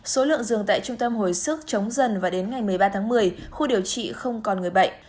số lượng giường tại trung tâm hồi sức chống dần và đến ngày một mươi ba tháng một mươi khu điều trị không còn người bệnh